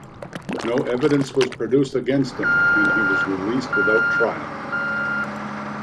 No evidence was produced against him, and he was released without trial.